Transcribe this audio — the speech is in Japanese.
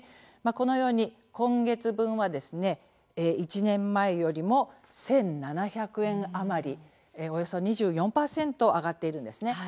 このように今月分は１年前よりも１７００円余りおよそ２４％上がっているんですね。